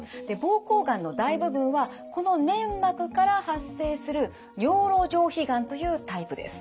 膀胱がんの大部分はこの粘膜から発生する尿路上皮がんというタイプです。